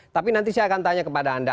tapi nanti saya akan tanya kepada anda